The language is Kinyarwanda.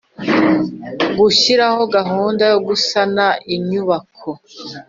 Gushyiraho gahunda yo gusana inyubako